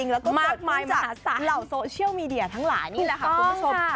แล้วก็มากมายมหาศาลเหล่าโซเชียลมีเดียทั้งหลายนี่แหละค่ะคุณผู้ชม